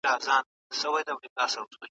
داسې انګيرل کيږي چې د کار مؤلديت بايد لوړ سي.